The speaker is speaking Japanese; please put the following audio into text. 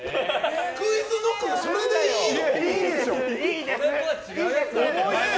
ＱｕｉｚＫｎｏｃｋがそれでいいの？